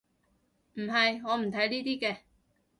唔係，我唔睇呢啲嘅